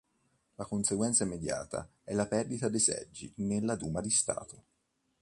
La conseguenza immediata è la perdita dei seggi nella Duma di Stato.